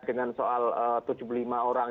dengan soal tujuh puluh lima orang